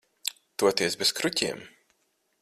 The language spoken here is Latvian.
Toties bez kruķiem.